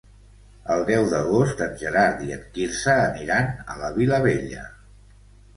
El deu d'agost en Gerard i en Quirze aniran a la Vilavella.